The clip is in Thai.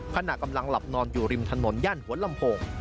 ขณะกำลังหลับนอนอยู่ริมถนนย่านหัวลำโพง